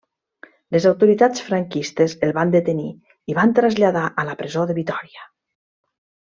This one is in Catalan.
Les autoritats franquistes el van detenir i van traslladar a la presó de Vitòria.